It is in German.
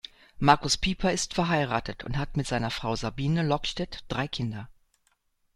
Markus Pieper ist verheiratet und hat mit seiner Frau Sabine Lockstedt drei Kinder.